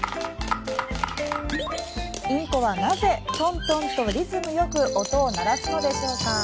インコはなぜ、トントンとリズムよく音を鳴らすのでしょうか。